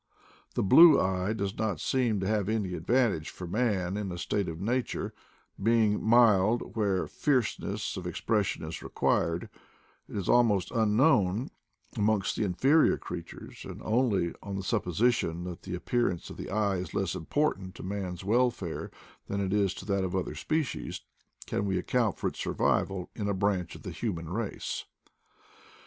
The blue eye does not seem to have any advantage for man in a state of nature, being mild where fierceness of expression is required; it is almost unknown amongst the inferior crea tures; and only on the supposition that the ap pearance of the eye is less important to man's welfare than it is to that of other species, can we account for its survival in a branch of the hu man race.